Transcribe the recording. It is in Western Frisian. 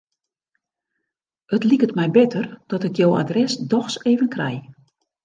It liket my better dat ik jo adres dochs even krij.